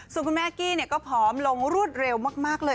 ส่วนคุณแม่กี้ก็ผอมลงรวดเร็วมากเลย